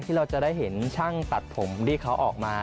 เราจะได้เห็นช่างตัดผมที่เขาออกมา